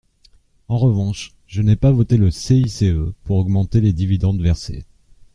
En revanche, je n’ai pas voté le CICE pour augmenter les dividendes versés.